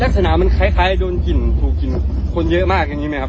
ลักษณะมันคล้ายโดนกลิ่นถูกกลิ่นคนเยอะมากอย่างนี้ไหมครับ